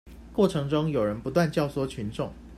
過程中有人不斷教唆群眾